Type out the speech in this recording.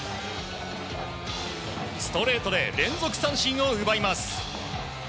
ストレートで連続三振を奪います。